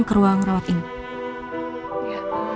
ke ruang rawat ini